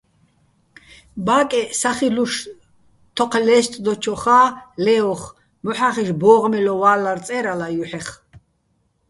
ბა́კე სახილუშ თოჴ ლე́სტდოჩოხა́ ლე́ოხ მოჰ̦ახიშ ბო́ღმელო ვა́ლლარ წე́რალა ჲუჰ̦ეხ.